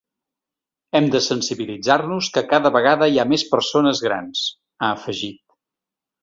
“Hem de sensibilitzar-nos que cada vegada hi ha més persones grans”, ha afegit.